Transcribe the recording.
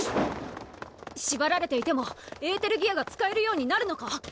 縛られていてもえーてるぎあが使えるようになるのか？